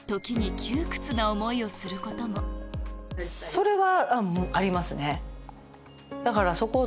それは。